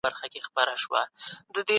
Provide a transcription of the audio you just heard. کمپيوټر لاين کاروي.